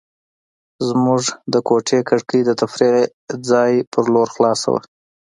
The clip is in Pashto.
زموږ د کوټې کړکۍ د تفریح ځای په لور خلاصه وه.